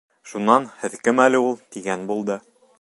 Шунан, һеҙ кем әле ул, тигән булды.